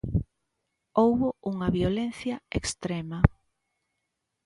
Houbo unha violencia extrema.